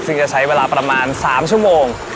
ซึ่งจะใช้เวลาประมาณ๓ชั่วโมง